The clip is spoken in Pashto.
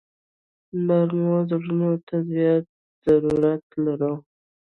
نرمو زړونو ته زیات ضرورت لرو.